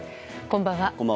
こんばんは。